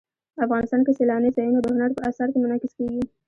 افغانستان کې سیلانی ځایونه د هنر په اثار کې منعکس کېږي.